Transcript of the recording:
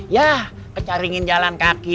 yah kecaringin jalan kaki